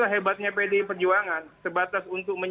ya kalian kalian yang ada di krebutan int waitedan dibagian kbiasa